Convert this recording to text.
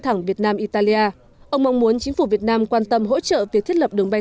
thẳng việt nam italia ông mong muốn chính phủ việt nam quan tâm hỗ trợ việc thiết lập đường bay